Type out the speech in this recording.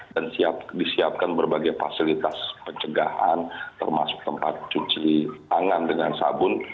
dan disiapkan berbagai fasilitas pencegahan termasuk tempat cuci tangan dengan sabun